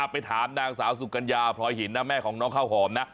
ไปถามนางสาวสุกัญญาพลอยหินนะแม่ของน้องข้าวหอมนะ